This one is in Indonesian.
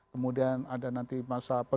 kemudian ada nanti masa